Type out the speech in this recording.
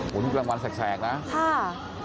มุนที่มีรางวานแสกนะครับ